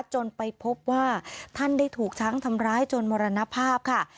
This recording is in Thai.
จนไปพบว่าท่านได้ถูกช้างทำร้ายจนมรณภาพค่ะ